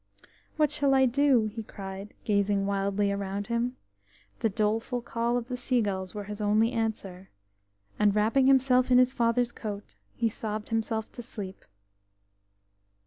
"What shall I do?" he cried, gazing wildly round him. The doleful calls of the seagulls were his only answer, and wrapping himself in his father's coat, he sobbed himself to sleep.